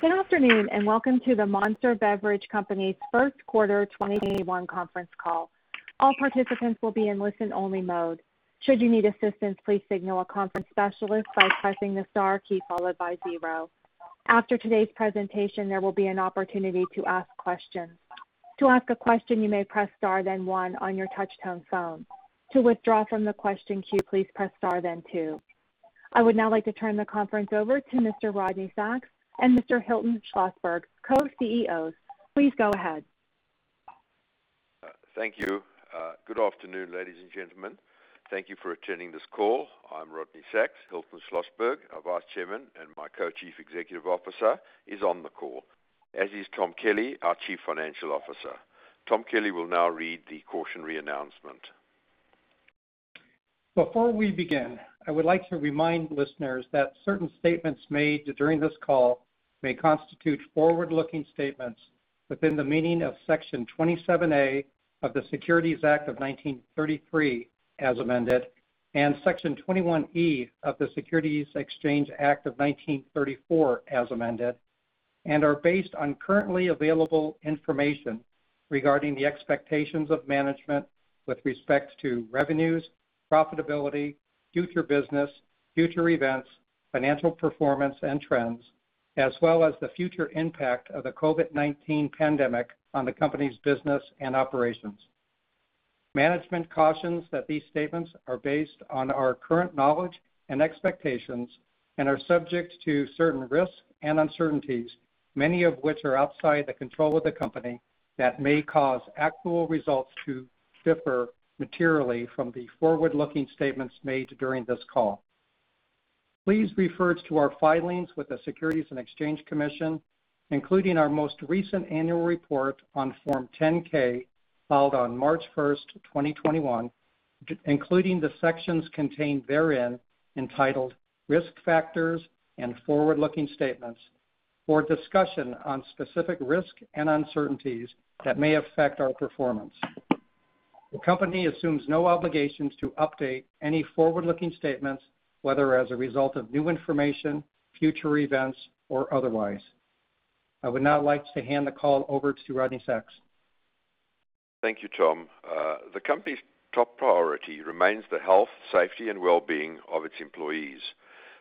Good afternoon, and welcome to the Monster Beverage Corporation's first quarter 2021 conference call. All participants will be in listen-only mode. Should you need assistance, please signal a conference specialist by pressing the star key followed by zero. After today's presentation, there will be an opportunity to ask questions. To ask a question, you may press star then one on your touch-tone phone. To withdraw from the question queue, please press star then two. I would now like to turn the conference over to Mr. Rodney Sacks and Mr. Hilton Schlosberg, co-CEOs. Please go ahead. Thank you. Good afternoon, ladies and gentlemen. Thank you for attending this call. I'm Rodney Sacks. Hilton Schlosberg, our Vice Chairman and my Co-Chief Executive Officer, is on the call, as is Thomas Kelly, our Chief Financial Officer. Thomas Kelly will now read the cautionary announcement. Before we begin, I would like to remind listeners that certain statements made during this call may constitute forward-looking statements within the meaning of Section 27A of the Securities Act of 1933, as amended, and Section 21E of the Securities Exchange Act of 1934, as amended, and are based on currently available information regarding the expectations of management with respect to revenues, profitability, future business, future events, financial performance, and trends, as well as the future impact of the COVID-19 pandemic on the company's business and operations. Management cautions that these statements are based on our current knowledge and expectations and are subject to certain risks and uncertainties, many of which are outside the control of the company, that may cause actual results to differ materially from the forward-looking statements made during this call. Please refer to our filings with the Securities and Exchange Commission, including our most recent annual report on Form 10-K filed on March 1st, 2021, including the sections contained therein entitled Risk Factors and Forward-Looking Statements for a discussion on specific risks and uncertainties that may affect our performance. The company assumes no obligations to update any forward-looking statements, whether as a result of new information, future events, or otherwise. I would now like to hand the call over to Rodney Sacks. Thank you, Tom. The company's top priority remains the health, safety, and well-being of its employees.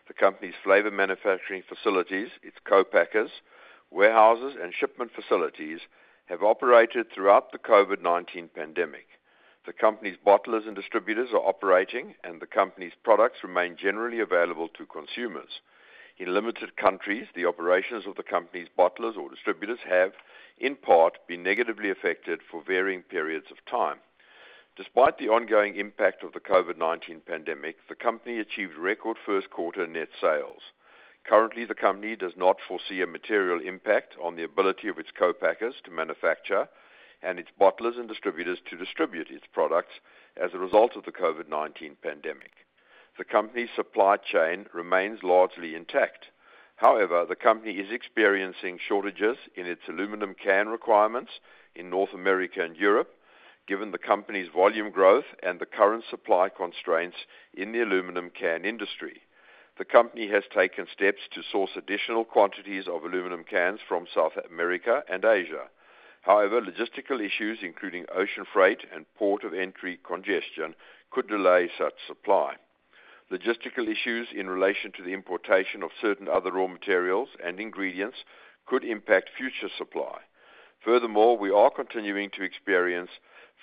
The company's flavor manufacturing facilities, its co-packers, warehouses, and shipment facilities have operated throughout the COVID-19 pandemic. The company's bottlers and distributors are operating, and the company's products remain generally available to consumers. In limited countries, the operations of the company's bottlers or distributors have, in part, been negatively affected for varying periods of time. Despite the ongoing impact of the COVID-19 pandemic, the company achieved record first quarter net sales. Currently, the company does not foresee a material impact on the ability of its co-packers to manufacture and its bottlers and distributors to distribute its products as a result of the COVID-19 pandemic. The company's supply chain remains largely intact. However, the company is experiencing shortages in its aluminum can requirements in North America and Europe, given the company's volume growth and the current supply constraints in the aluminum can industry. The company has taken steps to source additional quantities of aluminum cans from South America and Asia. However, logistical issues, including ocean freight and port of entry congestion, could delay such supply. Logistical issues in relation to the importation of certain other raw materials and ingredients could impact future supply. Furthermore, we are continuing to experience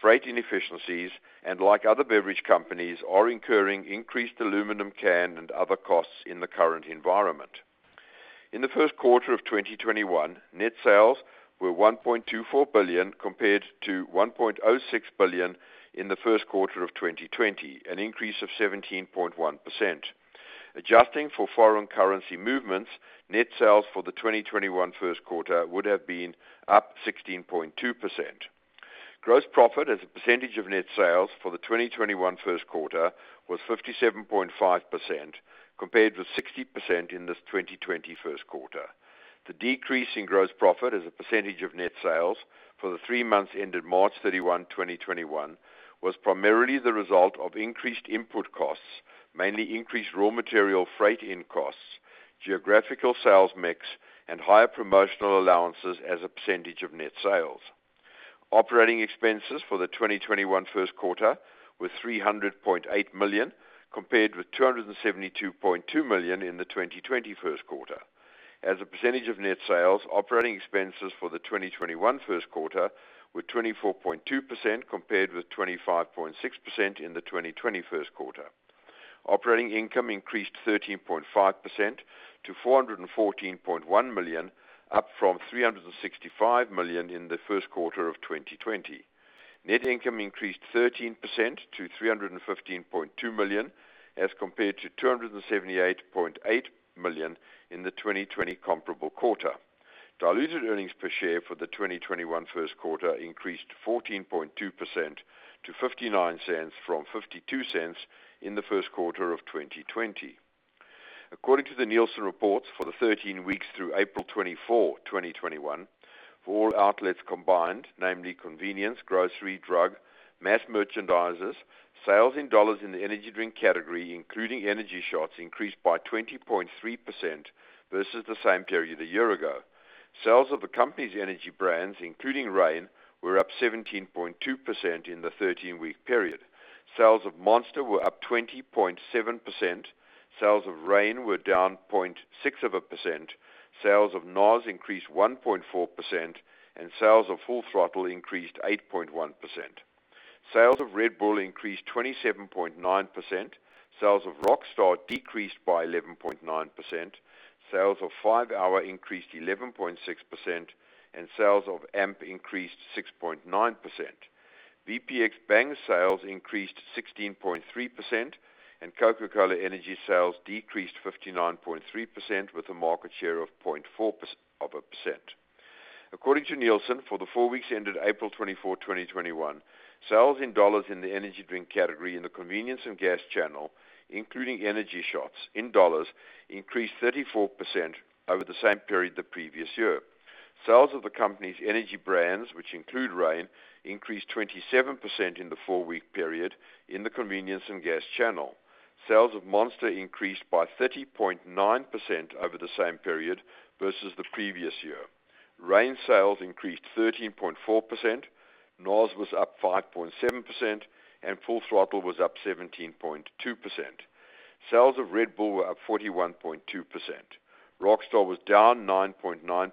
freight inefficiencies and, like other beverage companies, are incurring increased aluminum can and other costs in the current environment. In the first quarter of 2021, net sales were $1.24 billion compared to $1.06 billion in the first quarter of 2020, an increase of 17.1%. Adjusting for foreign currency movements, net sales for the 2021 first quarter would have been up 16.2%. Gross profit as a percentage of net sales for the 2021 first quarter was 57.5%, compared with 60% in the 2020 first quarter. The decrease in gross profit as a percentage of net sales for the three months ended March 31, 2021, was primarily the result of increased input costs, mainly increased raw material freight in costs, geographical sales mix, and higher promotional allowances as a percentage of net sales. Operating expenses for the 2021 first quarter were $300.8 million, compared with $272.2 million in the 2020 first quarter. As a percentage of net sales, operating expenses for the 2021 first quarter were 24.2%, compared with 25.6% in the 2020 first quarter. Operating income increased 13.5% to $414.1 million, up from $365 million in the first quarter of 2020. Net income increased 13% to $315.2 million as compared to $278.8 million in the 2020 comparable quarter. Diluted earnings per share for the 2021 first quarter increased 14.2% to $0.59 from $0.52 in the first quarter of 2020. According to the Nielsen reports for the 13 weeks through April 24, 2021, for all outlets combined, namely convenience, grocery, drug, mass merchandisers, sales in dollars in the energy drink category, including energy shots, increased by 20.3% versus the same period a year ago. Sales of the company's energy brands, including Reign, were up 17.2% in the 13-week period. Sales of Monster were up 20.7%. Sales of Reign were down 0.6%. Sales of NOS increased 1.4%, and sales of Full Throttle increased 8.1%. Sales of Red Bull increased 27.9%. Sales of Rockstar decreased by 11.9%. Sales of 5-hour increased 11.6%, and sales of AMP increased 6.9%. VPX Bang sales increased 16.3%, and Coca-Cola Energy sales decreased 59.3% with a market share of 0.4%. According to Nielsen, for the four weeks ended April 24, 2021, sales in dollars in the energy drink category in the convenience and gas channel, including energy shots in dollars, increased 34% over the same period the previous year. Sales of the company's energy brands, which include Reign, increased 27% in the four-week period in the convenience and gas channel. Sales of Monster increased by 30.9% over the same period versus the previous year. Reign sales increased 13.4%, NOS was up 5.7%, and Full Throttle was up 17.2%. Sales of Red Bull were up 41.2%. Rockstar was down 9.9%,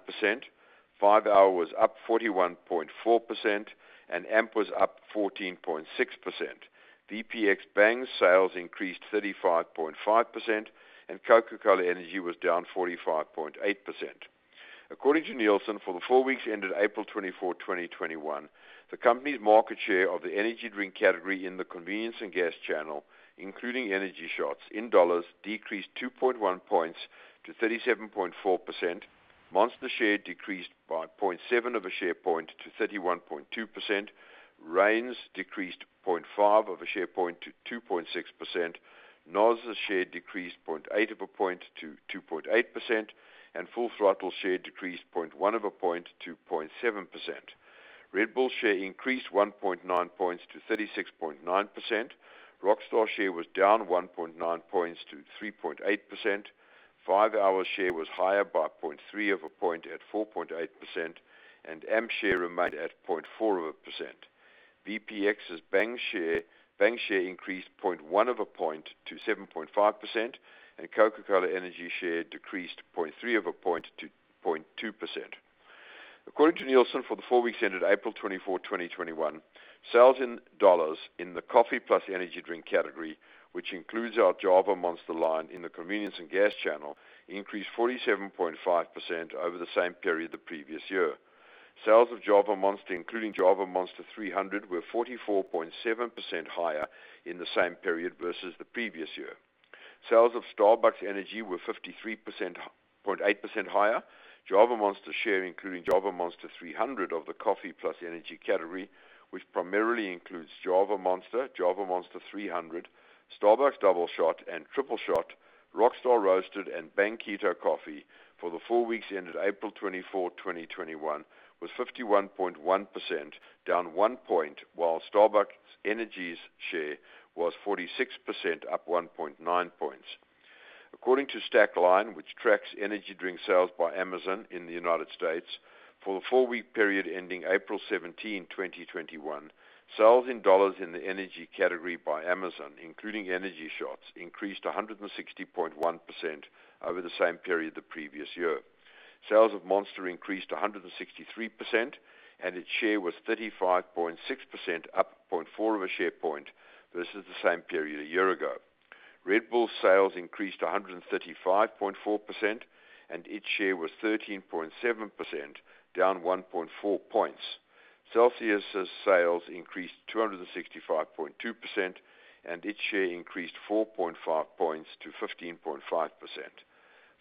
5-hour was up 41.4%, and AMP was up 14.6%. VPX Bang sales increased 35.5%, and Coca-Cola Energy was down 45.8%. According to Nielsen, for the four weeks ended April 24, 2021, the company's market share of the energy drink category in the convenience and gas channel, including energy shots in dollars, decreased 2.1 points to 37.4%. Monster share decreased by 0.7 of a share point to 31.2%. Reign's decreased 0.5 of a share point to 2.6%. NOS's share decreased 0.8 of a point to 2.8%, and Full Throttle share decreased 0.1 of a point to 0.7%. Red Bull share increased 1.9 points to 36.9%. Rockstar share was down 1.9 points to 3.8%. five hour share was higher by 0.3 of a point at 4.8%, and AMP share remained at 0.4 of a percent. VPX's Bang share increased 0.1 of a point to 7.5%, and Coca-Cola Energy share decreased 0.3 of a point to 0.2%. According to Nielsen, for the four weeks ended April 24, 2021, sales in dollars in the coffee plus energy drink category, which includes our Java Monster line in the convenience and gas channel, increased 47.5% over the same period the previous year. Sales of Java Monster, including Java Monster 300, were 44.7% higher in the same period versus the previous year. Sales of Starbucks Energy were 53.8% higher. Java Monster share, including Java Monster 300 of the coffee plus energy category, which primarily includes Java Monster, Java Monster 300, Starbucks Doubleshot Energy and Starbucks Tripleshot, Rockstar Roasted and Bang Keto Coffee for the four weeks ended April 24, 2021 was 51.1%, down one point, while Starbucks Energy's share was 46%, up 1.9 points. According to Stackline, which tracks energy drink sales by Amazon in the U.S., for the four-week period ending April 17, 2021, sales in dollars in the energy category by Amazon, including energy shots, increased 160.1% over the same period the previous year. Sales of Monster increased 163%, and its share was 35.6%, up 0.4 of a share point versus the same period a year ago. Red Bull sales increased 135.4%, and its share was 13.7%, down 1.4 points. Celsius' sales increased 265.2%, and its share increased 4.5 points to 15.5%.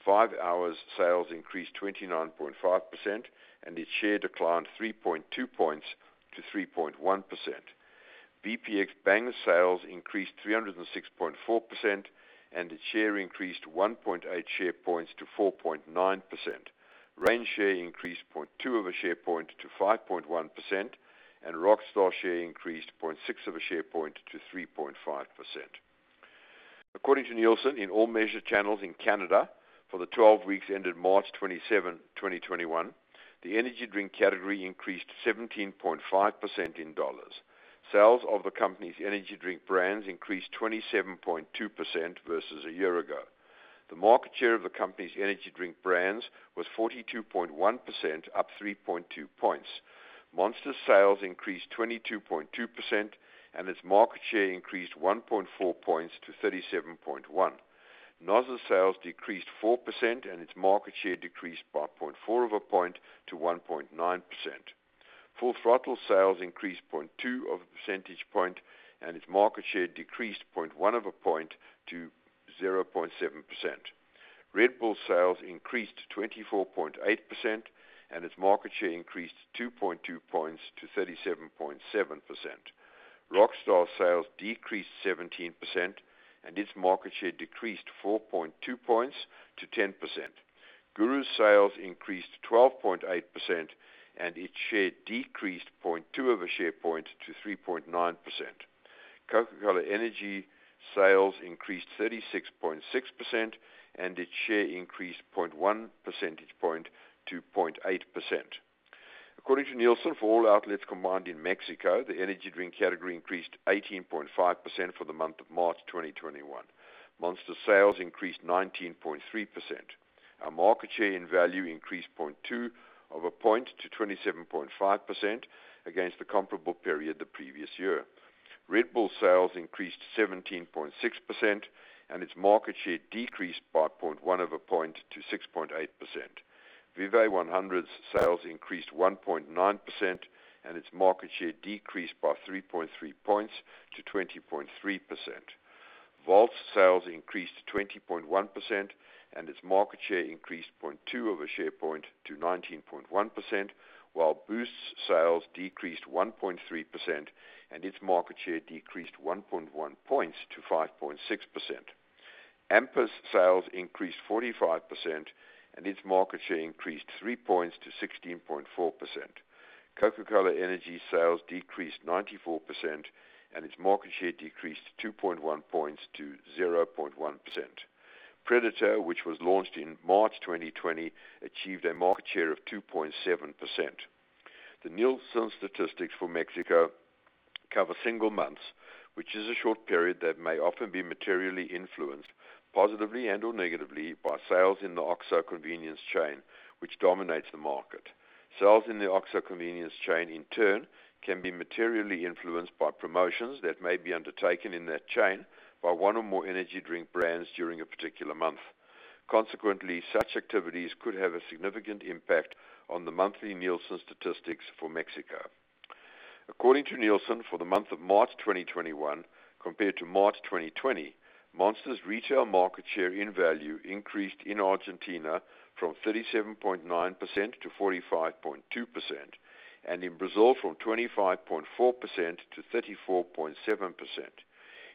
5-hour's sales increased 29.5%, and its share declined 3.2 points to 3.1%. VPX Bang sales increased 306.4%, and its share increased 1.8 share points to 4.9%. Reign share increased 0.2 of a share point to 5.1%, and Rockstar share increased 0.6 of a share point to 3.5%. According to Nielsen, in all measured channels in Canada for the 12 weeks ended March 27, 2021, the energy drink category increased 17.5% in dollars. Sales of the company's energy drink brands increased 27.2% versus a year ago. The market share of the company's energy drink brands was 42.1%, up 3.2 points. Monster sales increased 22.2%, and its market share increased 1.4 points to 37.1. NOS sales decreased 4%, and its market share decreased by 0.4 of a point to 1.9%. Full Throttle sales increased 0.2 of a percentage point and its market share decreased 0.1 of a point to 0.7%. Red Bull sales increased 24.8% and its market share increased 2.2 points to 37.7%. Rockstar sales decreased 17% and its market share decreased 4.2 points to 10%. GURU's sales increased 12.8% and its share decreased 0.2 of a share point to 3.9%. Coca-Cola Energy sales increased 36.6% and its share increased 0.1 percentage point to 0.8%. According to Nielsen, for all outlets combined in Mexico, the energy drink category increased 18.5% for the month of March 2021. Monster sales increased 19.3%. Our market share in value increased 0.2 of a point to 27.5% against the comparable period the previous year. Red Bull sales increased 17.6% and its market share decreased by 0.1 of a point to 6.8%. Vive 100's sales increased 1.9% and its market share decreased by 3.3 points to 20.3%. Volt's sales increased 20.1% and its market share increased 0.2 of a share point to 19.1%, while Boost's sales decreased 1.3% and its market share decreased 1.1 points to 5.6%. Amper sales increased 45% and its market share increased three points to 16.4%. Coca-Cola Energy sales decreased 94% and its market share decreased 2.1 points to 0.1%. Predator, which was launched in March 2020, achieved a market share of 2.7%. The Nielsen statistics for Mexico cover single months, which is a short period that may often be materially influenced, positively and/or negatively, by sales in the OXXO convenience chain, which dominates the market. Sales in the OXXO convenience chain, in turn, can be materially influenced by promotions that may be undertaken in that chain by one or more energy drink brands during a particular month. Consequently, such activities could have a significant impact on the monthly Nielsen statistics for Mexico. According to Nielsen, for the month of March 2021 compared to March 2020, Monster's retail market share in value increased in Argentina from 37.9% to 45.2% and in Brazil from 25.4% to 34.7%.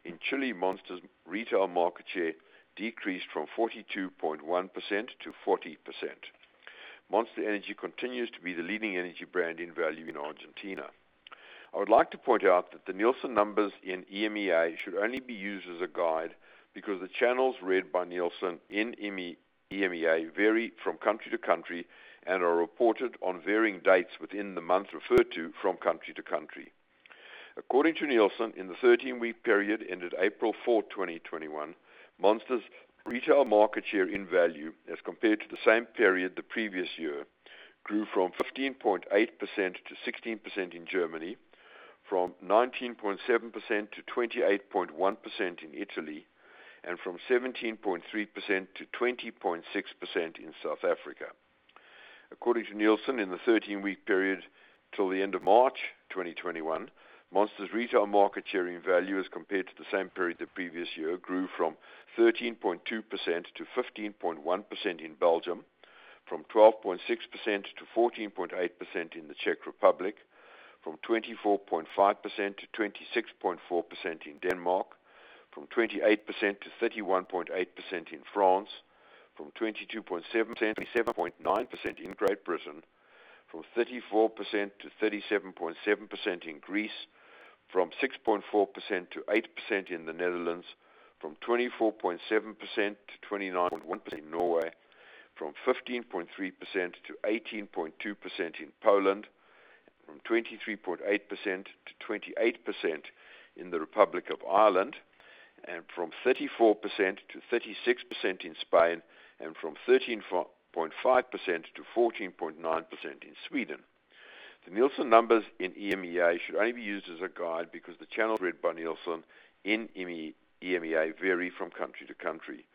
In Chile, Monster's retail market share decreased from 42.1% to 40%. Monster Energy continues to be the leading energy brand in value in Argentina. I would like to point out that the Nielsen numbers in EMEA should only be used as a guide because the channels read by Nielsen in EMEA vary from country to country and are reported on varying dates within the month referred to from country to country. According to Nielsen, in the 13-week period ended April 4, 2021, Monster's retail market share in value as compared to the same period the previous year grew from 15.8% to 16% in Germany, from 19.7% to 28.1% in Italy, and from 17.3% to 20.6% in South Africa. According to Nielsen, in the 13-week period till the end of March 2021, Monster's retail market share in value as compared to the same period the previous year grew from 13.2% to 15.1% in Belgium, from 12.6% to 14.8% in the Czech Republic, from 24.5% to 26.4% in Denmark, from 28% to 31.8% in France, from 22.7% to 27.9% in Great Britain, from 34% to 37.7% in Greece, from 6.4% to 8% in the Netherlands, from 24.7% to 29.1% in Norway, from 15.3% to 18.2% in Poland, from 23.8% to 28% in the Republic of Ireland, and from 34% to 36% in Spain, and from 13.5% to 14.9% in Sweden. The Nielsen numbers in EMEA should only be used as a guide because the channels read by Nielsen in EMEA vary from country to country.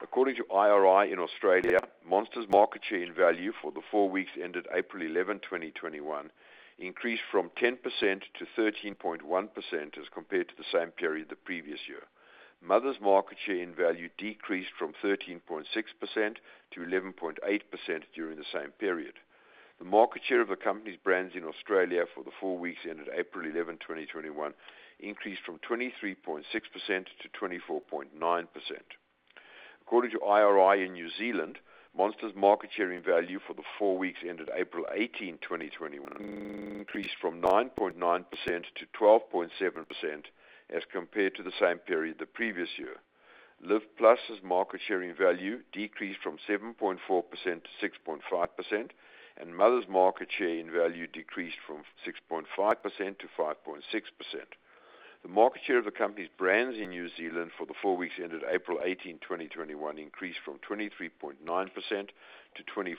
According to IRI in Australia, Monster's market share in value for the four weeks ended April 11, 2021, increased from 10% to 13.1% as compared to the same period the previous year. Mother's market share in value decreased from 13.6% to 11.8% during the same period. The market share of the company's brands in Australia for the four weeks ended April 11, 2021, increased from 23.6% to 24.9%. According to IRI in New Zealand, Monster's market share in value for the four weeks ended April 18, 2021, increased from 9.9% to 12.7% as compared to the same period the previous year. Live+ market share in value decreased from 7.4% to 6.5%, and Mother's market share in value decreased from 6.5% to 5.6%. The market share of the company's brands in New Zealand for the four weeks ended April 18, 2021, increased from 23.9% to 24.8%.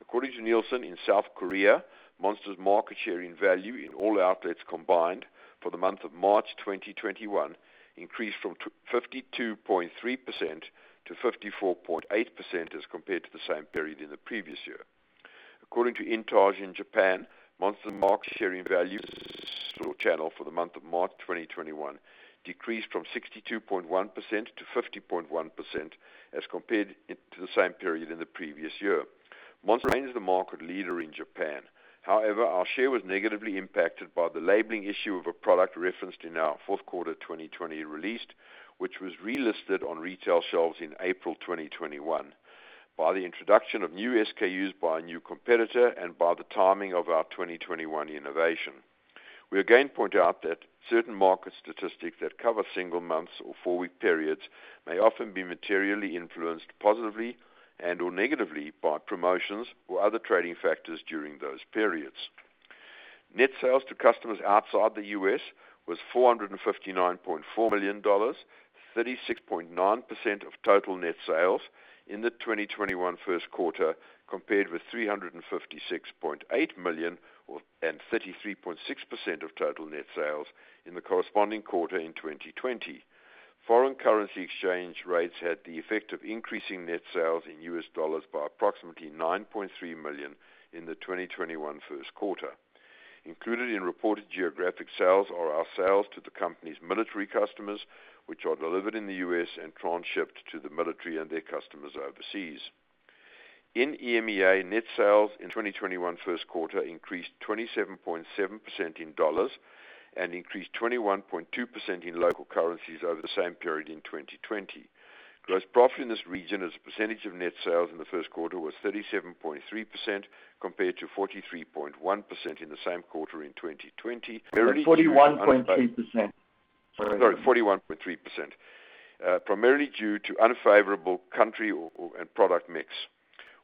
According to Nielsen in South Korea, Monster's market share in value in all outlets combined for the month of March 2021 increased from 52.3% to 54.8% as compared to the same period in the previous year. According to INTAGE in Japan, Monster market share in value in the store channel for the month of March 2021 decreased from 62.1% to 50.1% as compared to the same period in the previous year. Monster remains the market leader in Japan. However, our share was negatively impacted by the labeling issue of a product referenced in our fourth quarter 2020 release, which was relisted on retail shelves in April 2021 by the introduction of new SKUs by a new competitor and by the timing of our 2021 innovation. We again point out that certain market statistics that cover single months or four-week periods may often be materially influenced positively and/or negatively by promotions or other trading factors during those periods. Net sales to customers outside the U.S. was $459.4 million, 36.9% of total net sales in the 2021 first quarter, compared with $356.8 million and 33.6% of total net sales in the corresponding quarter in 2020. Foreign currency exchange rates had the effect of increasing net sales in U.S. dollars by approximately $9.3 million in the 2021 first quarter. Included in reported geographic sales are our sales to the company's military customers, which are delivered in the U.S. and trans-shipped to the military and their customers overseas. In EMEA, net sales in 2021 first quarter increased 27.7% in dollars and increased 21.2% in local currencies over the same period in 2020. Gross profit in this region as a percentage of net sales in the first quarter was 37.3% compared to 43.1% in the same quarter in 2020. 41.3%. Sorry, 41.3%, primarily due to unfavorable country and product mix.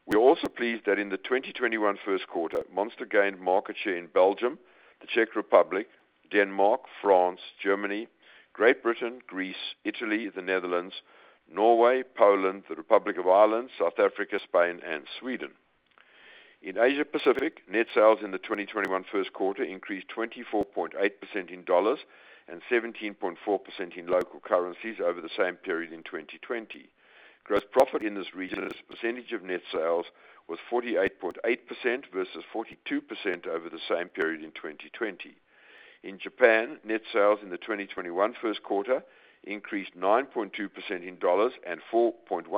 We are also pleased that in the 2021 first quarter, Monster gained market share in Belgium, the Czech Republic, Denmark, France, Germany, Great Britain, Greece, Italy, the Netherlands, Norway, Poland, the Republic of Ireland, South Africa, Spain, and Sweden. In Asia Pacific, net sales in the 2021 first quarter increased 24.8% in U.S. dollars and 17.4% in local currencies over the same period in 2020. Gross profit in this region as a percentage of net sales was 48.8% versus 42% over the same period in 2020. In Japan, net sales in the 2021 first quarter increased 9.2% in U.S. dollars and 4.1%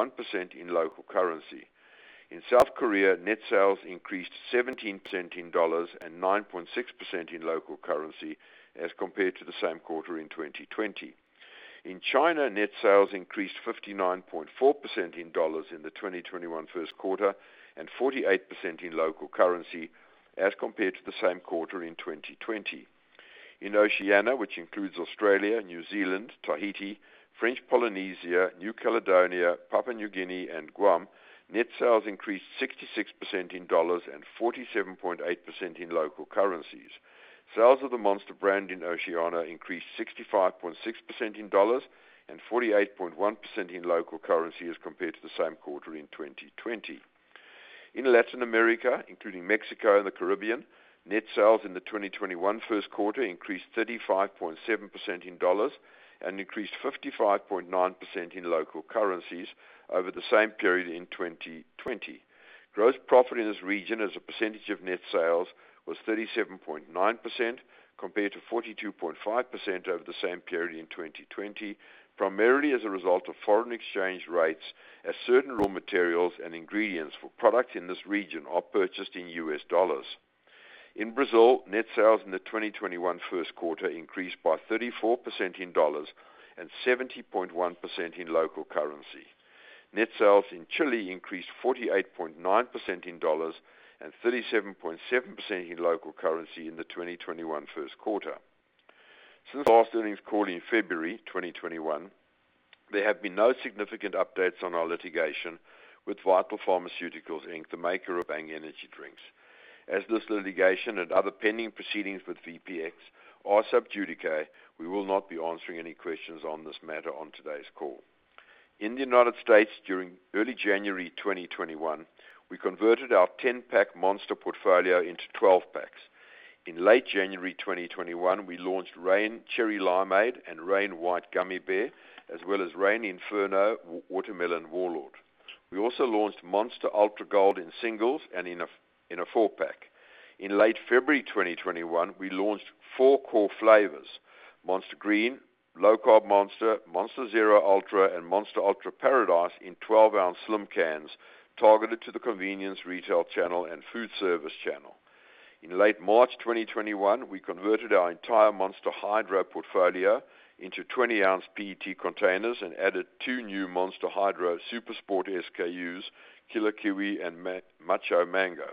in local currency. In South Korea, net sales increased 17% in U.S. dollars and 9.6% in local currency as compared to the same quarter in 2020. In China, net sales increased 59.4% in $ in the 2021 first quarter and 48% in local currency as compared to the same quarter in 2020. In Oceania, which includes Australia, New Zealand, Tahiti, French Polynesia, New Caledonia, Papua New Guinea, and Guam, net sales increased 66% in $ and 47.8% in local currencies. Sales of the Monster brand in Oceania increased 65.6% in $ and 48.1% in local currency as compared to the same quarter in 2020. In Latin America, including Mexico and the Caribbean, net sales in the 2021 first quarter increased 35.7% in $ and increased 55.9% in local currencies over the same period in 2020. Gross profit in this region as a percentage of net sales was 37.9% compared to 42.5% over the same period in 2020, primarily as a result of foreign exchange rates as certain raw materials and ingredients for products in this region are purchased in U.S. dollars. In Brazil, net sales in the 2021 first quarter increased by 34% in USD and 70.1% in local currency. Net sales in Chile increased 48.9% in USD and 37.7% in local currency in the 2021 first quarter. Since our last earnings call in February 2021, there have been no significant updates on our litigation with Vital Pharmaceuticals, Inc., the maker of Bang energy drinks. As this litigation and other pending proceedings with VPX are sub judice, we will not be answering any questions on this matter on today's call. In the United States, during early January 2021, we converted our 10-pack Monster portfolio into 12-packs. In late January 2021, we launched Reign Cherry Limeade and Reign White Gummy Bear, as well as Reign Inferno Watermelon Warlord. We also launched Monster Ultra Gold in singles and in a 4-pack. In late February 2021, we launched four core flavors: Monster Green, Low Carb Monster Zero Ultra, and Monster Ultra Paradise in 12-ounce slim cans targeted to the convenience retail channel and food service channel. In late March 2021, we converted our entire Monster Hydro portfolio into 20-ounce PET containers and added two new Monster Hydro Super Sport SKUs, Killer Kiwi and Macho Mango.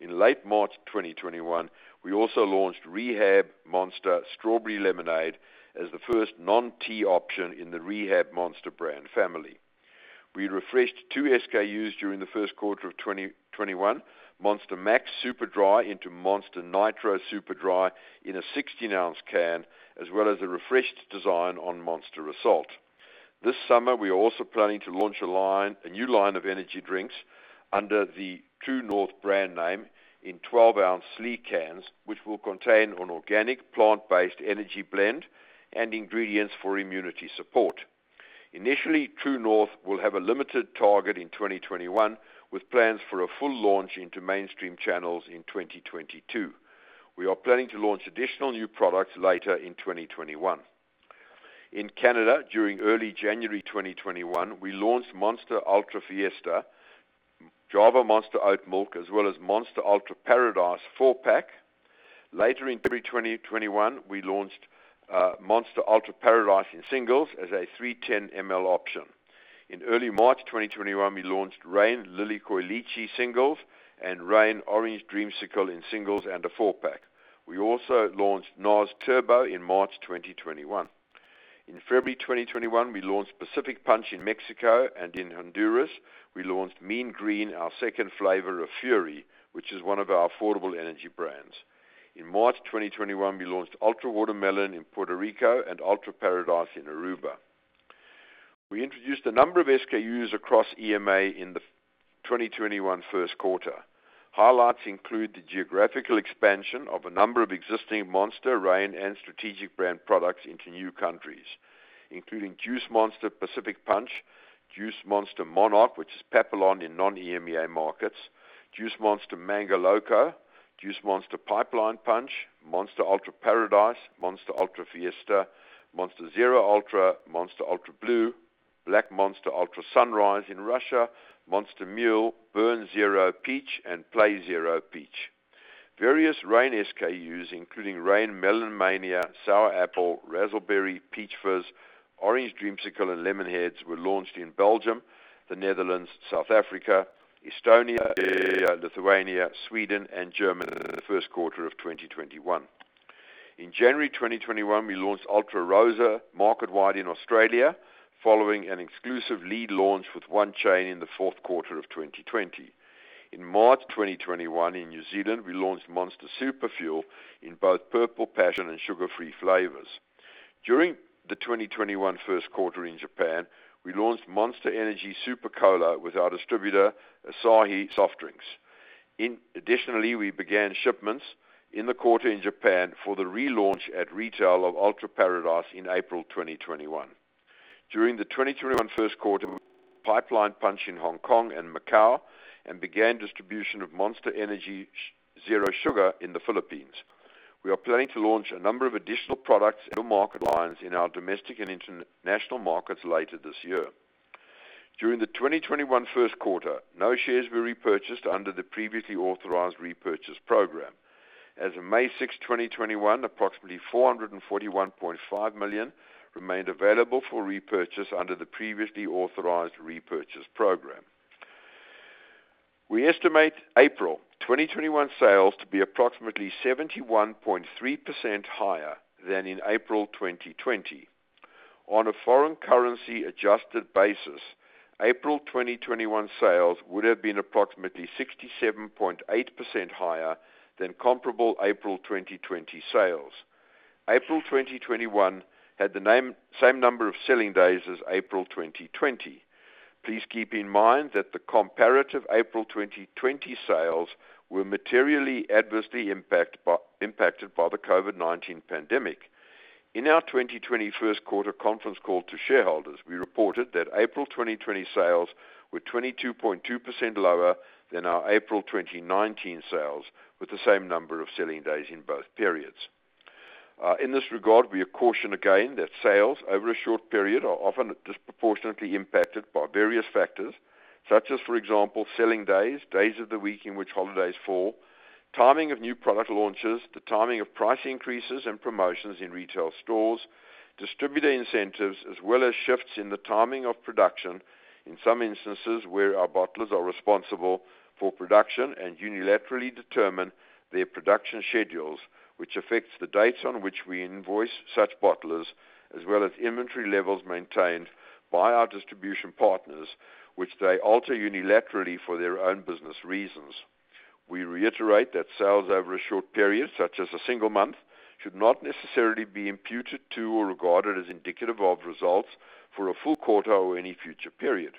In late March 2021, we also launched Rehab Monster Strawberry Lemonade as the first non-tea option in the Rehab Monster brand family. We refreshed two SKUs during the first quarter of 2021, Monster Maxx Super Dry into Monster Nitro Super Dry in a 16-ounce can, as well as a refreshed design on Monster Assault. This summer, we are also planning to launch a new line of energy drinks under the True North brand name in 12-ounce sleeve cans, which will contain an organic plant-based energy blend and ingredients for immunity support. Initially, True North will have a limited target in 2021, with plans for a full launch into mainstream channels in 2022. We are planning to launch additional new products later in 2021. In Canada, during early January 2021, we launched Monster Ultra Fiesta, Java Monster Farmer's Oats, as well as Monster Ultra Paradise 4-pack. Later in February 2021, we launched Monster Ultra Paradise in singles as a 310 ml option. In early March 2021, we launched Reign Lilikoi Lychee singles, and Reign Orange Dreamsicle in singles and a four-pack. We also launched NOS Turbo in March 2021. In February 2021, we launched Pacific Punch in Mexico, and in Honduras, we launched Mean Green, our second flavor of Fury, which is one of our affordable energy brands. In March 2021, we launched Ultra Watermelon in Puerto Rico and Ultra Paradise in Aruba. We introduced a number of SKUs across EMEA in the 2021 first quarter. Highlights include the geographical expansion of a number of existing Monster, Reign, and strategic brand products into new countries, including Juice Monster Pacific Punch, Juice Monster Monarch, which is Papillon in non-EMEA markets, Juice Monster Mango Loco, Juice Monster Pipeline Punch, Monster Ultra Paradise, Monster Ultra Fiesta, Monster Zero Ultra, Monster Ultra Blue, Monster Ultra Sunrise Black in Russia, Monster Mule, Burn Zero Peach, and Play Zero Peach. Various Reign SKUs, including Reign Melon Mania, Sour Apple, Razzle Berry, Peach Fizz, Orange Dreamsicle, and Lemon HDZ were launched in Belgium, the Netherlands, South Africa, Estonia, Lithuania, Sweden, and Germany in the first quarter of 2021. In January 2021, we launched Ultra Rosá market-wide in Australia, following an exclusive lead launch with one chain in the fourth quarter of 2020. In March 2021, in New Zealand, we launched Monster Superfuel in both Purple Passion and sugar-free flavors. During the 2021 first quarter in Japan, we launched Monster Energy Super Cola with our distributor, Asahi Soft Drinks. We began shipments in the quarter in Japan for the relaunch at retail of Ultra Paradise in April 2021. During the 2021 first quarter, we launched Pipeline Punch in Hong Kong and Macau, and began distribution of Monster Energy Zero Sugar in the Philippines. We are planning to launch a number of additional products and market lines in our domestic and international markets later this year. During the 2021 first quarter, no shares were repurchased under the previously authorized repurchase program. As of May 6, 2021, approximately $441.5 million remained available for repurchase under the previously authorized repurchase program. We estimate April 2021 sales to be approximately 71.3% higher than in April 2020. On a foreign currency adjusted basis, April 2021 sales would have been approximately 67.8% higher than comparable April 2020 sales. April 2021 had the same number of selling days as April 2020. Please keep in mind that the comparative April 2020 sales were materially adversely impacted by the COVID-19 pandemic. In our 2020 first quarter conference call to shareholders, we reported that April 2020 sales were 22.2% lower than our April 2019 sales, with the same number of selling days in both periods. In this regard, we caution again that sales over a short period are often disproportionately impacted by various factors, such as, for example, selling days of the week in which holidays fall, timing of new product launches, the timing of price increases and promotions in retail stores, distributor incentives, as well as shifts in the timing of production, in some instances, where our bottlers are responsible for production and unilaterally determine their production schedules, which affects the dates on which we invoice such bottlers, as well as inventory levels maintained by our distribution partners, which they alter unilaterally for their own business reasons. We reiterate that sales over a short period, such as a single month, should not necessarily be imputed to or regarded as indicative of results for a full quarter or any future period.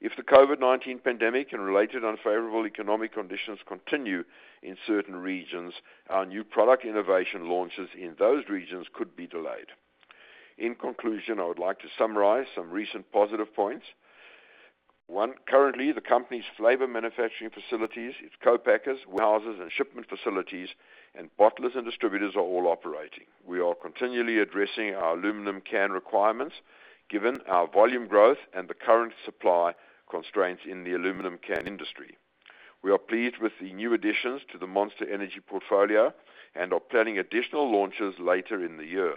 If the COVID-19 pandemic and related unfavorable economic conditions continue in certain regions, our new product innovation launches in those regions could be delayed. In conclusion, I would like to summarize some recent positive points. One, currently, the company's flavor manufacturing facilities, its co-packers, warehouses, and shipment facilities, and bottlers and distributors are all operating. We are continually addressing our aluminum can requirements, given our volume growth and the current supply constraints in the aluminum can industry. We are pleased with the new additions to the Monster Energy portfolio and are planning additional launches later in the year.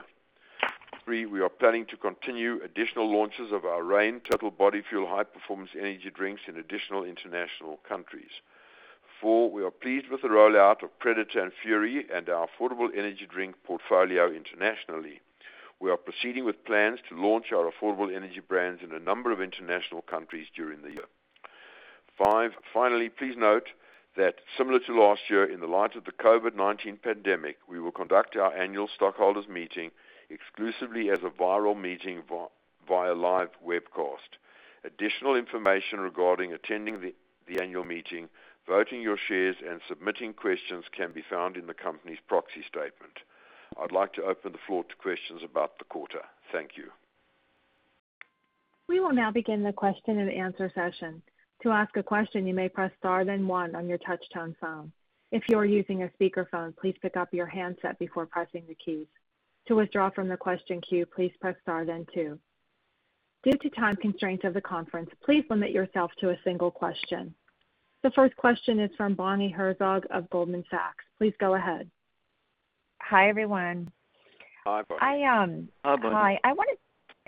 Three, we are planning to continue additional launches of our Reign Total Body Fuel high-performance energy drinks in additional international countries. Four, we are pleased with the rollout of Predator and Fury and our affordable energy drink portfolio internationally. We are proceeding with plans to launch our affordable energy brands in a number of international countries during the year. Five, finally, please note that similar to last year, in the light of the COVID-19 pandemic, we will conduct our annual stockholders meeting exclusively as a virtual meeting via live webcast. Additional information regarding attending the annual meeting, voting your shares, and submitting questions can be found in the company's proxy statement. I'd like to open the floor to questions about the quarter. Thank you. We will now begin the question and answer session to ask a question. Hi, everyone. Hi, Bonnie.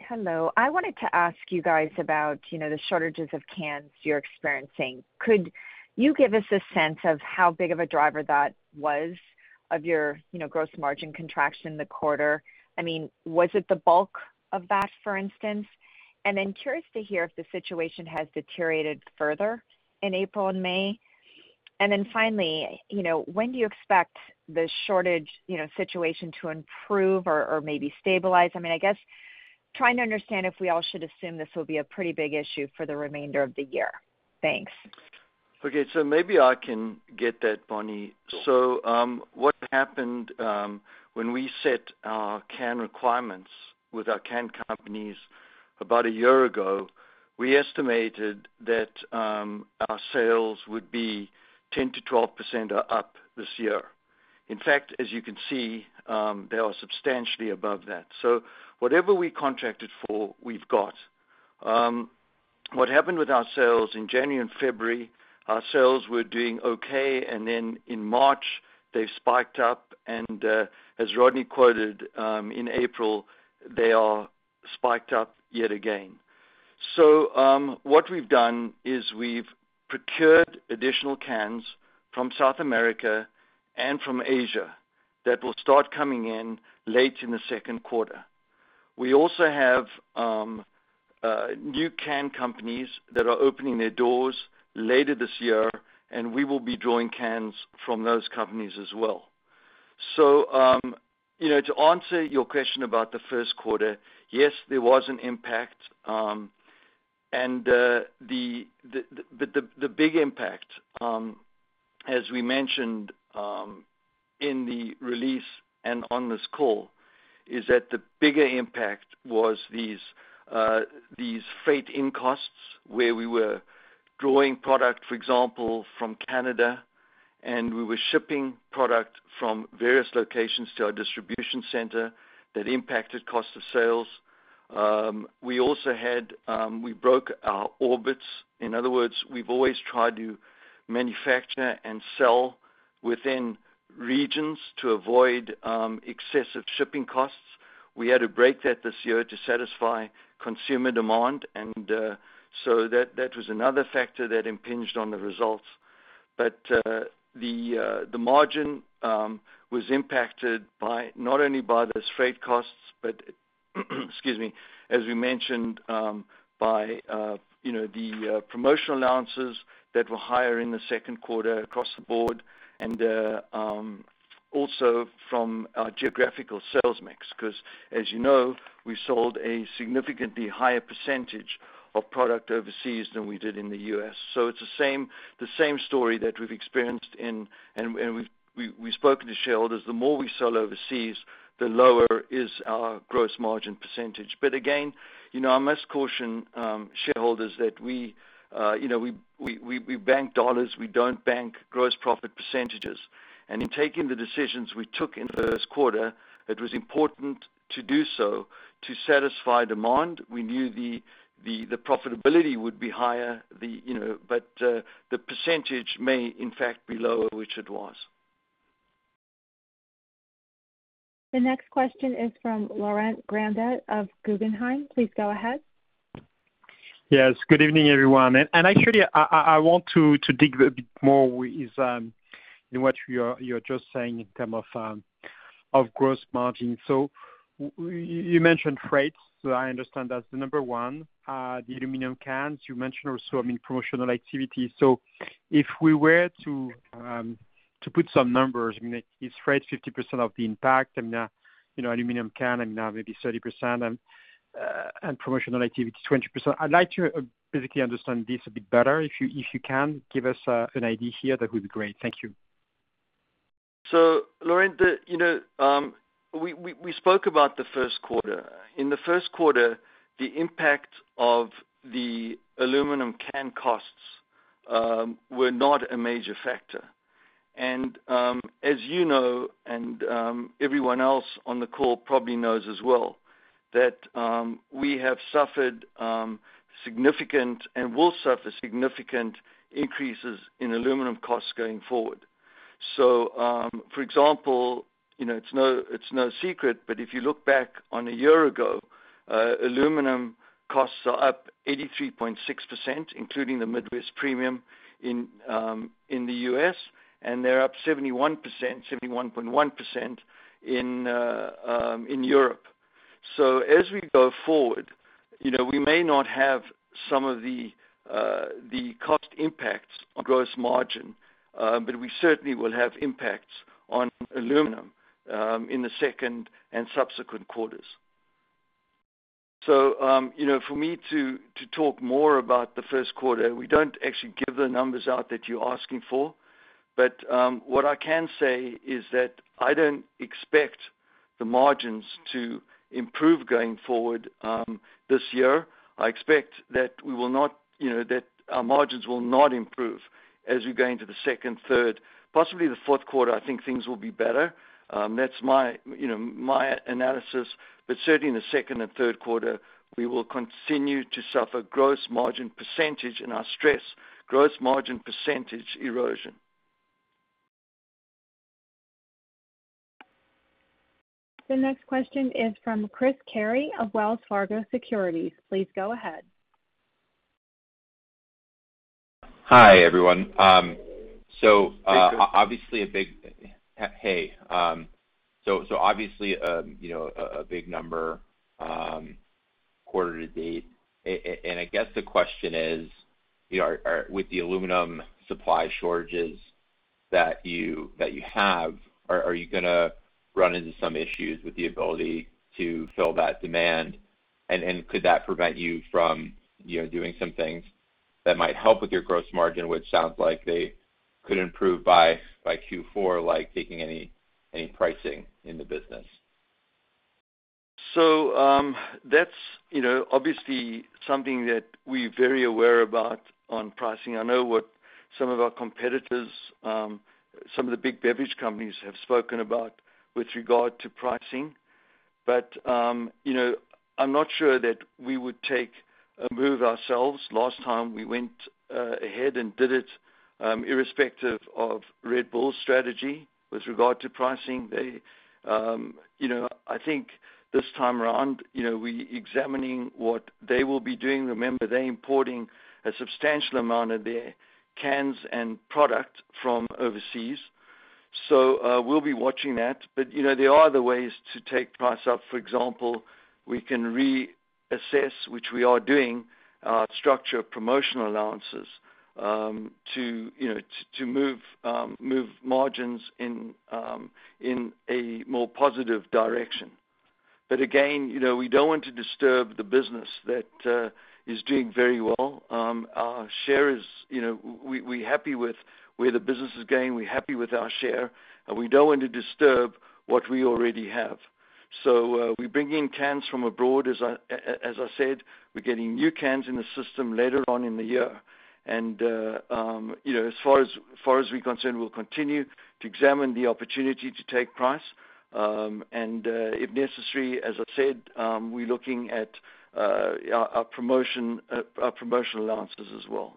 Hello. I wanted to ask you guys about the shortages of cans you're experiencing. Could you give us a sense of how big of a driver that was of your gross margin contraction in the quarter? Was it the bulk of that, for instance? Curious to hear if the situation has deteriorated further in April and May. Finally, when do you expect the shortage situation to improve or maybe stabilize? I guess trying to understand if we all should assume this will be a pretty big issue for the remainder of the year. Thanks. Maybe I can get that, Bonnie. What happened when we set our can requirements with our can companies about one year ago, we estimated that our sales would be 10%-12% up this year. In fact, as you can see, they are substantially above that. Whatever we contracted for, we've got. What happened with our sales in January and February, our sales were doing okay, and then in March they spiked up and, as Rodney quoted, in April, they spiked up yet again. What we've done is we've procured additional cans from South America and from Asia that will start coming in late in the second quarter. We also have new can companies that are opening their doors later this year, and we will be drawing cans from those companies as well. To answer your question about the first quarter, yes, there was an impact. The big impact, as we mentioned in the release and on this call, is that the bigger impact was these freight-in costs, where we were drawing product, for example, from Canada, and we were shipping product from various locations to our distribution center. That impacted cost of sales. We broke our orbits. In other words, we've always tried to manufacture and sell within regions to avoid excessive shipping costs. We had to break that this year to satisfy consumer demand. That was another factor that impinged on the results. The margin was impacted not only by those freight costs, but as we mentioned, by the promotional allowances that were higher in the second quarter across the board and also from our geographical sales mix, because as you know, we sold a significantly higher percentage of product overseas than we did in the U.S. It's the same story that we've experienced and we've spoken to shareholders. The more we sell overseas, the lower is our gross margin percentage. Again, I must caution shareholders that we bank dollars. We don't bank gross profit percentages. In taking the decisions we took in the first quarter, it was important to do so to satisfy demand. We knew the profitability would be higher, but the percentage may in fact be lower, which it was. The next question is from Laurent Grandet of Guggenheim. Please go ahead. Yes. Good evening, everyone. Actually, I want to dig a bit more with what you're just saying in terms of gross margin. You mentioned freight, so I understand that's the number one. The aluminum cans you mentioned also, I mean, promotional activity. If we were to put some numbers, is freight 50% of the impact? Aluminum can maybe 30% and promotional activity 20%? I'd like to basically understand this a bit better. If you can give us an idea here, that would be great. Thank you. Laurent, we spoke about the first quarter. In the first quarter, the impact of the aluminum can costs were not a major factor. As you know, and everyone else on the call probably knows as well, that we have suffered significant and will suffer significant increases in aluminum costs going forward. For example, it's no secret, but if you look back on a year ago, aluminum costs are up 83.6%, including the Midwest premium in the U.S., and they're up 71.1% in Europe. As we go forward, we may not have some of the cost impacts on gross margin, but we certainly will have impacts on aluminum in the second and subsequent quarters. For me to talk more about the first quarter, we don't actually give the numbers out that you're asking for. What I can say is that I don't expect the margins to improve going forward this year. I expect that our margins will not improve as we go into the second, third, possibly the fourth quarter, I think things will be better. That's my analysis. Certainly the second and third quarter, we will continue to suffer gross margin percentage, and I stress gross margin percentage erosion. The next question is from Chris Carey of Wells Fargo Securities. Please go ahead. Hi, everyone. Hey. Obviously, a big number quarter to date. I guess the question is, with the aluminum supply shortages that you have, are you going to run into some issues with the ability to fill that demand? Could that prevent you from doing some things that might help with your gross margin, which sounds like they could improve by Q4, like taking any pricing in the business? That's obviously something that we're very aware about on pricing. I know what some of our competitors, some of the big beverage companies have spoken about with regard to pricing. I'm not sure that we would take a move ourselves. Last time we went ahead and did it, irrespective of Red Bull's strategy with regard to pricing. I think this time around, we're examining what they will be doing. Remember, they're importing a substantial amount of their cans and product from overseas. We'll be watching that. There are other ways to take price up. For example, we can reassess, which we are doing, our structure promotional allowances to move margins in a more positive direction. Again, we don't want to disturb the business that is doing very well. We're happy with where the business is going. We're happy with our share, we don't want to disturb what we already have. We bring in cans from abroad, as I said, we're getting new cans in the system later on in the year. As far as we're concerned, we'll continue to examine the opportunity to take price. If necessary, as I said, we're looking at our promotional allowances as well.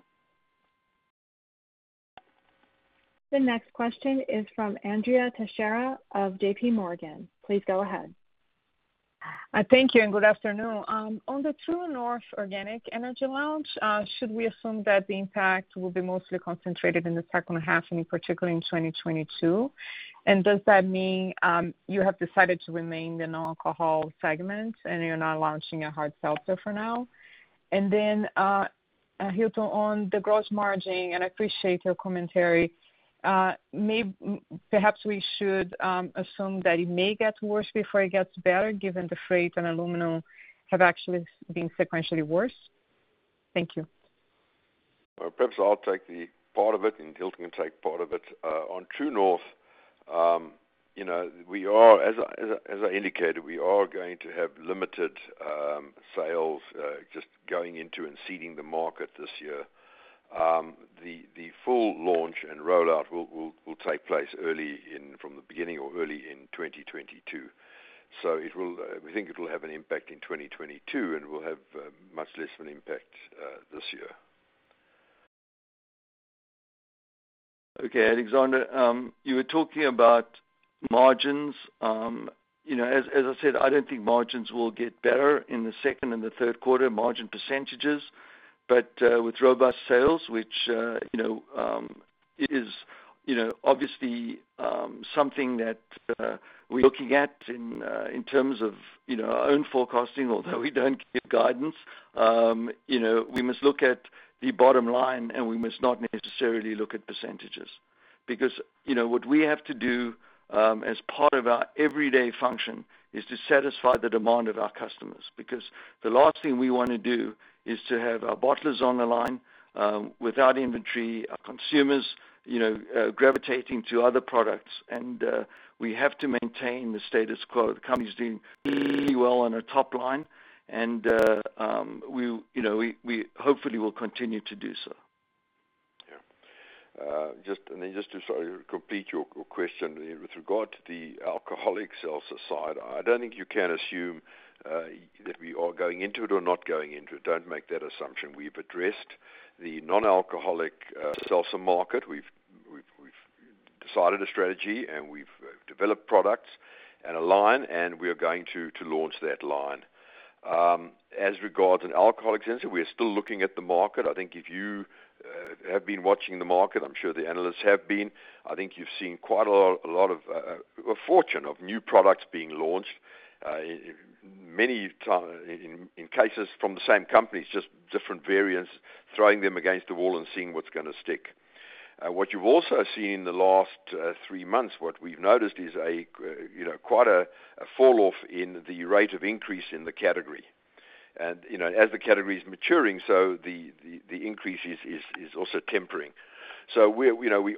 The next question is from Andrea Teixeira of JPMorgan. Please go ahead. Thank you, and good afternoon. On the True North organic energy launch, should we assume that the impact will be mostly concentrated in the second half, particularly in 2022? Does that mean you have decided to remain in non-alcohol segments and you're not launching a hard seltzer for now? Then, Hilton, on the gross margin, I appreciate your commentary. Perhaps we should assume that it may get worse before it gets better given the freight and aluminum have actually been sequentially worse. Thank you. Perhaps I'll take part of it and Hilton can take part of it. On True North, as I indicated, we are going to have limited sales, just going into and seeding the market this year. The full launch and rollout will take place from the beginning or early in 2022. We think it'll have an impact in 2022, and will have much less of an impact this year. Okay, Andrea Teixeira, you were talking about margins. As I said, I don't think margins will get better in the second and the third quarter, margin percentages. With robust sales, which is obviously something that we're looking at in terms of our own forecasting, although we don't give guidance. We must look at the bottom line, and we must not necessarily look at percentages. What we have to do, as part of our everyday function, is to satisfy the demand of our customers. The last thing we want to do is to have our bottlers on the line without inventory, our consumers gravitating to other products. We have to maintain the status quo. The company's doing really well on the top line, and we hopefully will continue to do so. Just to complete your question, with regard to the alcoholic seltzer side, I don't think you can assume that we are going into it or not going into it. Don't make that assumption. We've addressed the non-alcoholic seltzer market. We've decided a strategy, and we've developed products and a line, and we are going to launch that line. As regards an alcoholic entity, we are still looking at the market. I think if you have been watching the market, I'm sure the analysts have been, I think you've seen quite a fortune of new products being launched, in many cases from the same companies, just different variants, throwing them against the wall and seeing what's going to stick. What you've also seen in the last three months, what we've noticed is quite a fall-off in the rate of increase in the category. As the category is maturing, so the increase is also tempering. We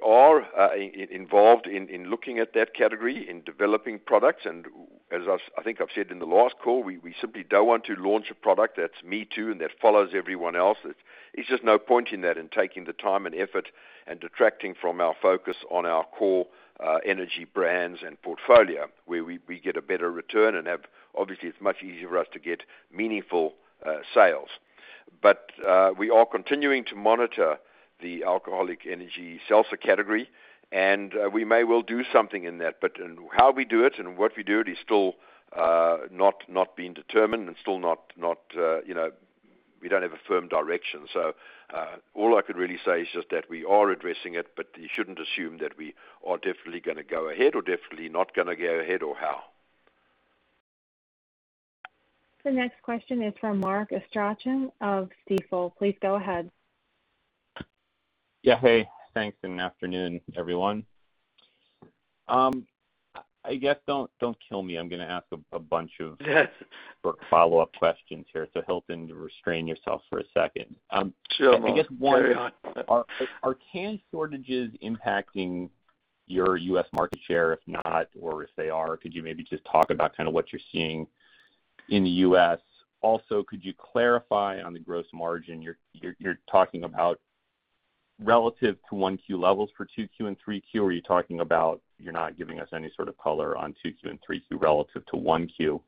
are involved in looking at that category, in developing products, and as I think I've said in the last call, we simply don't want to launch a product that's me too, and that follows everyone else. There's just no point in that, in taking the time and effort and detracting from our focus on our core energy brands and portfolio, where we get a better return and have Obviously, it's much easier for us to get meaningful sales. We are continuing to monitor the alcoholic energy seltzer category, and we may well do something in that. How we do it and what we do it is still not being determined and we don't have a firm direction. All I could really say is just that we are addressing it, but you shouldn't assume that we are definitely going to go ahead or definitely not going to go ahead, or how. The next question is from Mark Astrachan of Stifel. Please go ahead. Yeah. Hey. Thanks. Afternoon, everyone. I guess, don't kill me, I'm gonna ask follow-up questions here. Hilton, restrain yourself for a second. Sure. I guess one, are can shortages impacting your U.S. market share? If not, or if they are, could you maybe just talk about what you're seeing in the U.S.? Could you clarify on the gross margin you're talking about relative to one Q levels for two Q and three Q, or are you talking about you're not giving us any sort of color on two Q and three Q relative to one Q?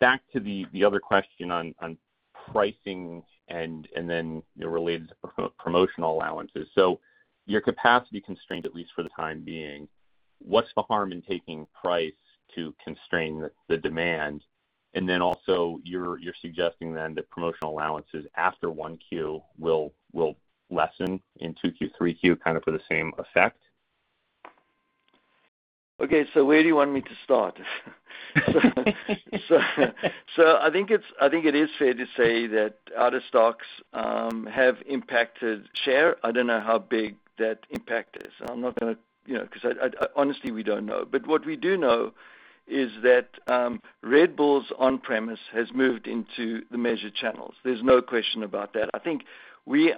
Back to the other question on pricing and your related promotional allowances. You're capacity constrained, at least for the time being. What's the harm in taking price to constrain the demand? You're suggesting then that promotional allowances after one Q will lessen in two Q, three Q kind of for the same effect? Where do you want me to start? I think it is fair to say that out of stocks have impacted share. I don't know how big that impact is. Because honestly, we don't know. What we do know is that Red Bull's on-premise has moved into the measured channels. There's no question about that. I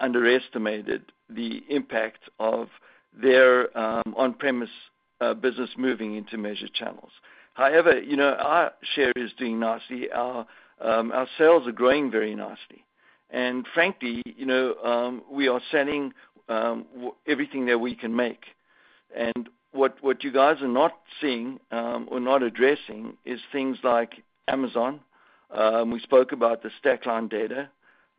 underestimated the impact of their on-premise business moving into measured channels. However, our share is doing nicely. Our sales are growing very nicely. Frankly, we are selling everything that we can make. What you guys are not seeing, or not addressing, is things like Amazon. We spoke about the Stackline data,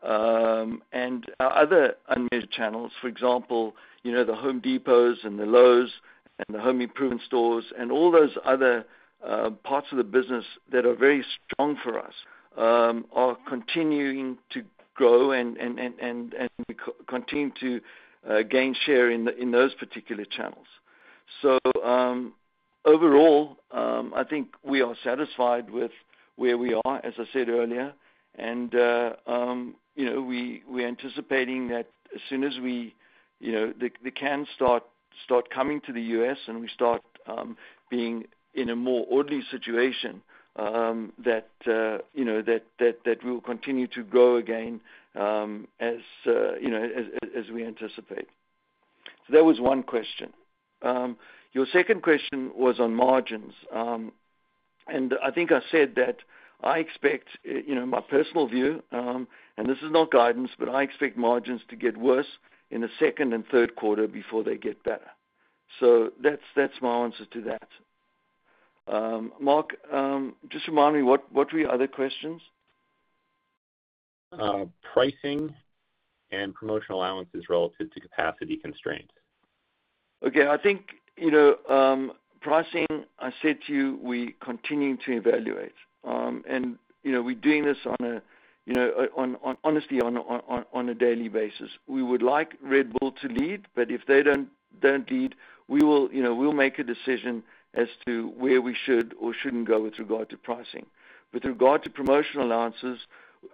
and our other unmeasured channels, for example, the Home Depots and the Lowe's and the home improvement stores and all those other parts of the business that are very strong for us, are continuing to grow and we continue to gain share in those particular channels. Overall, I think we are satisfied with where we are, as I said earlier, and we're anticipating that as soon as the cans start coming to the U.S. and we start being in a more orderly situation, that we will continue to grow again as we anticipate. That was one question. Your second question was on margins. I think I said that I expect, my personal view, and this is not guidance, but I expect margins to get worse in the second and third quarter before they get better. That's my answer to that. Mark, just remind me, what were your other questions? Pricing and promotional allowances relative to capacity constraints. Okay. I think, pricing, I said to you, we continue to evaluate. We're doing this honestly on a daily basis. We would like Red Bull to lead, but if they don't lead, we'll make a decision as to where we should or shouldn't go with regard to pricing. With regard to promotional allowances,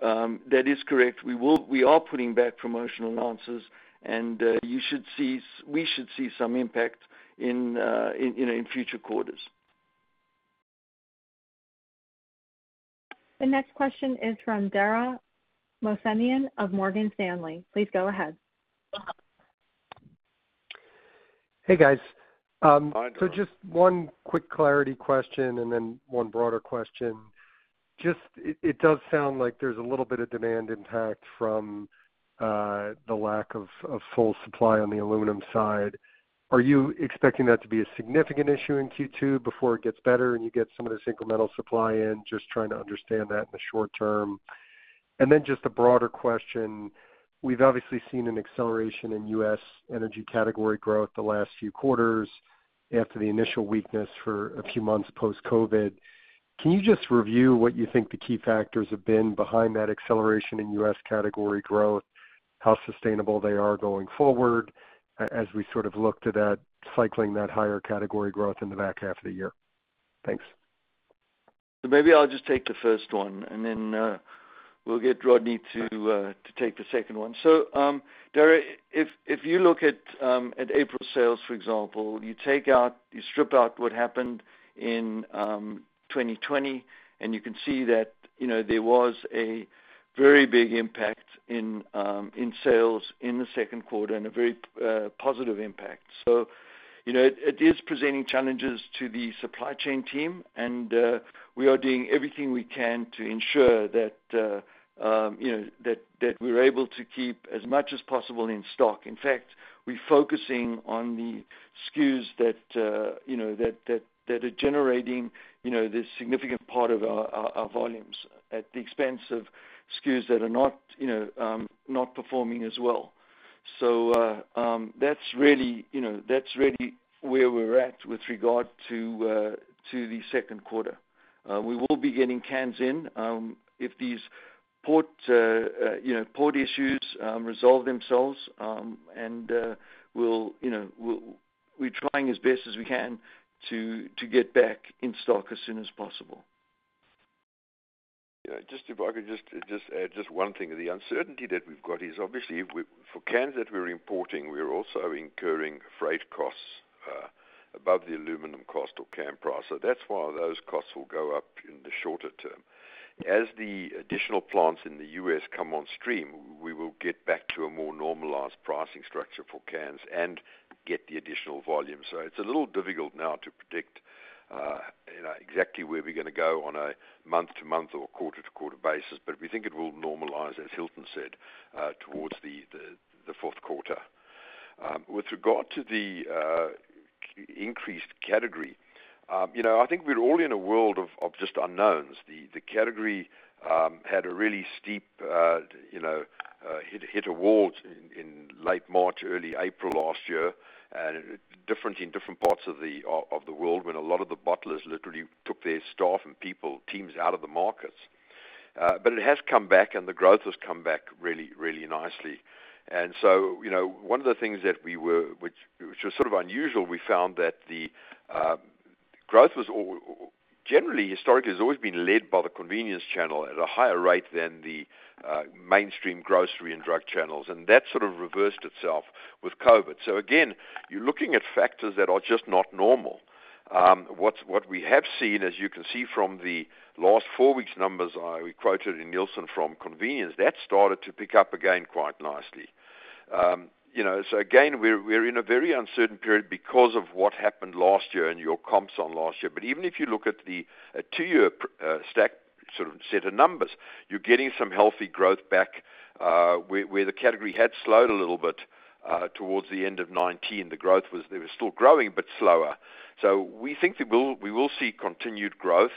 that is correct. We are putting back promotional allowances and we should see some impact in future quarters. The next question is from Dara Mohsenian of Morgan Stanley. Please go ahead. Hey, guys. Hi, Dara. Just one quick clarity question and then one broader question. Just, it does sound like there's a little bit of demand impact from the lack of full supply on the aluminum side. Are you expecting that to be a significant issue in Q2 before it gets better and you get some of this incremental supply in? Just trying to understand that in the short term. Then just a broader question. We've obviously seen an acceleration in U.S. energy category growth the last few quarters after the initial weakness for a few months post-COVID. Can you just review what you think the key factors have been behind that acceleration in U.S. category growth? How sustainable they are going forward as we sort of look to that cycling that higher category growth in the back half of the year? Thanks. Maybe I'll just take the first one, and then we'll get Rodney to take the second one. Dara, if you look at April sales, for example, you strip out what happened in 2020, and you can see that there was a very big impact in sales in the second quarter and a very positive impact. It is presenting challenges to the supply chain team, and we are doing everything we can to ensure that we're able to keep as much as possible in stock. In fact, we're focusing on the SKUs that are generating this significant part of our volumes at the expense of SKUs that are not performing as well. That's really where we're at with regard to the second quarter. We will be getting cans in if these port issues resolve themselves, and we're trying as best as we can to get back in stock as soon as possible. If I could just add just one thing. The uncertainty that we've got is obviously for cans that we're importing, we are also incurring freight costs above the aluminum cost or can price. That's why those costs will go up in the shorter term. As the additional plants in the U.S. come on stream, we will get back to a more normalized pricing structure for cans and get the additional volume. It's a little difficult now to predict exactly where we're going to go on a month-to-month or quarter-to-quarter basis. We think it will normalize, as Hilton said, towards the fourth quarter. With regard to the increased category, I think we're all in a world of just unknowns. The category had a really steep hit or halt in late March, early April last year, and different in different parts of the world, when a lot of the bottlers literally took their staff and people, teams out of the markets. It has come back, and the growth has come back really nicely. One of the things which was sort of unusual, we found that the growth was generally, historically, has always been led by the convenience channel at a higher rate than the mainstream grocery and drug channels, and that sort of reversed itself with COVID. Again, you're looking at factors that are just not normal. What we have seen, as you can see from the last four weeks numbers we quoted in Nielsen from convenience, that started to pick up again quite nicely. Again, we're in a very uncertain period because of what happened last year and your comps on last year. Even if you look at the two-year stack sort of set of numbers, you're getting some healthy growth back, where the category had slowed a little bit towards the end of 2019. They were still growing, but slower. We think we will see continued growth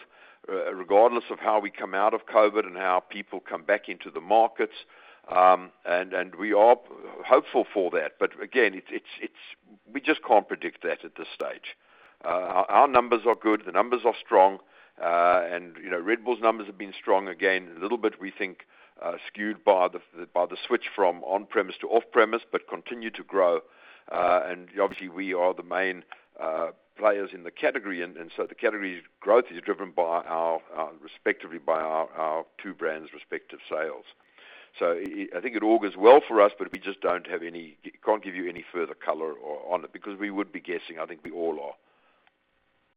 regardless of how we come out of COVID and how people come back into the markets, and we are hopeful for that. Again, we just can't predict that at this stage. Our numbers are good. The numbers are strong. Red Bull's numbers have been strong, again, a little bit, we think, skewed by the switch from on-premise to off-premise, but continue to grow. Obviously, we are the main players in the category, and so the category's growth is driven respectively by our two brands' respective sales. I think it augurs well for us, but we just can't give you any further color on it, because we would be guessing. I think we all are.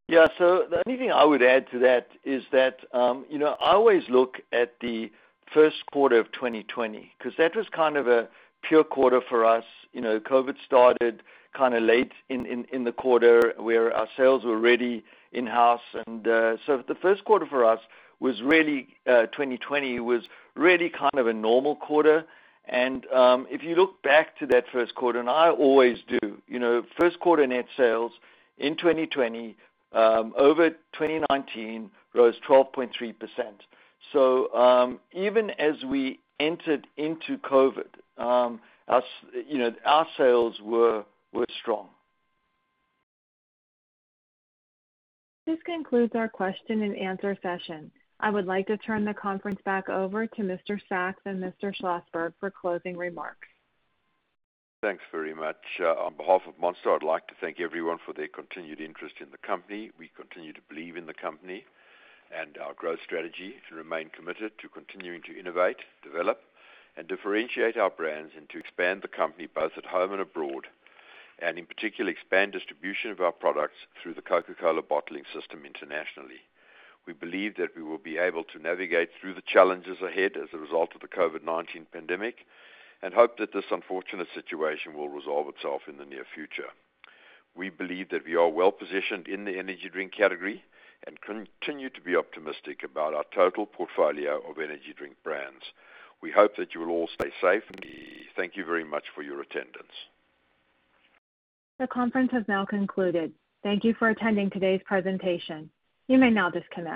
Yeah. The only thing I would add to that is that I always look at the first quarter of 2020, because that was kind of a pure quarter for us. COVID started kind of late in the quarter, where our sales were already in-house. The first quarter for us, 2020, was really kind of a normal quarter. If you look back to that first quarter, and I always do, first quarter net sales in 2020 over 2019 rose 12.3%. Even as we entered into COVID, our sales were strong. This concludes our question and answer session. I would like to turn the conference back over to Mr. Sacks and Mr. Schlosberg for closing remarks. Thanks very much. On behalf of Monster, I'd like to thank everyone for their continued interest in the company. We continue to believe in the company and our growth strategy to remain committed to continuing to innovate, develop, and differentiate our brands, and to expand the company both at home and abroad, and in particular, expand distribution of our products through the Coca-Cola system internationally. We believe that we will be able to navigate through the challenges ahead as a result of the COVID-19 pandemic and hope that this unfortunate situation will resolve itself in the near future. We believe that we are well-positioned in the energy drink category and continue to be optimistic about our total portfolio of energy drink brands. We hope that you will all stay safe, and thank you very much for your attendance. The conference has now concluded. Thank you for attending today's presentation. You may now disconnect.